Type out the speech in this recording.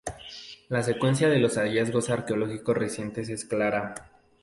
La secuencia de los hallazgos arqueológicos recientes es clara.